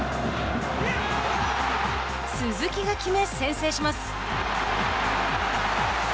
鈴木が決め、先制します。